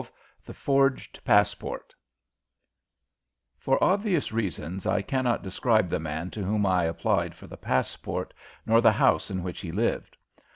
XII THE FORGED PASSPORT For obvious reasons I cannot describe the man to whom I applied for the passport, nor the house in which he lived.